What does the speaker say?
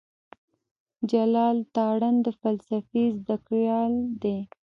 جلال تارڼ د فلسفې زده کړيال دی.